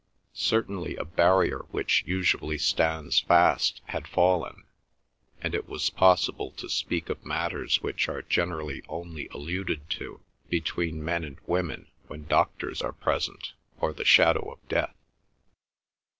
Certainly a barrier which usually stands fast had fallen, and it was possible to speak of matters which are generally only alluded to between men and women when doctors are present, or the shadow of death.